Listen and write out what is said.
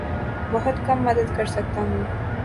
بہت کم مدد کر سکتا ہوں